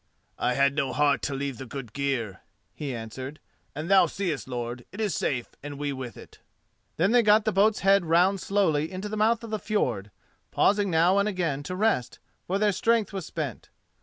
"I had no heart to leave the good gear," he answered; "and thou seest, lord, it is safe and we with it." Then they got the boat's head round slowly into the mouth of the fjord, pausing now and again to rest, for their strength was spent.